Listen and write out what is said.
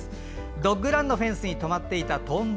ドッグランのフェンスに止まっていたトンボ。